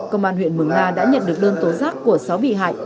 công an huyện mừng na đã nhận được đơn tố giác của sáu bị hại